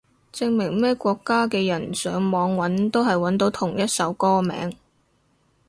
證明咩國家嘅人上網搵都係搵到同一首歌名